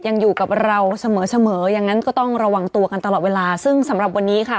ยังอยู่กับเราเสมอเสมอยังงั้นก็ต้องระวังตัวกันตลอดเวลาซึ่งสำหรับวันนี้ค่ะ